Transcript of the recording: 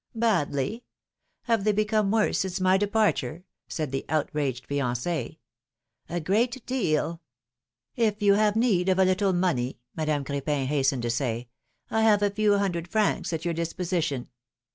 Badly? Have they become worse since my de parture ?" said the outraged fianch. great deal !" If you have need of a little money," Madame Cr^pin hastened to say, I have a few hundred francs at your disposition."